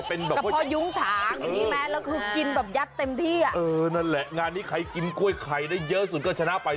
เออนั่นแหละงานนี้ใครกินกล้วยไข่ได้เยอะสุดก็ชนะไป